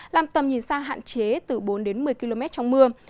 làm tầm nhìn xa hạn chế từ bốn đến một mươi km trong mưa